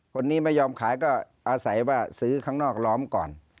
คนนี้ไม่ยอมขายก็อาศัยว่าซื้อข้างนอกล้อมก่อน